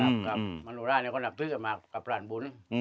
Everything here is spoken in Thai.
อ๋อครับมนุราค์เนี่ยเขานับถือมากกับพระอันบุญ